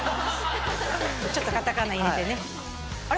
ちょっとカタカナ入れてねあれ！